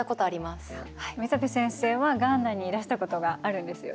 溝辺先生はガーナにいらしたことがあるんですよね。